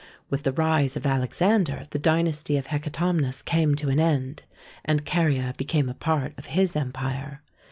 With the rise of Alex ander the dynasty of Hecatomnus came to an end, and Caria became a part of his empire.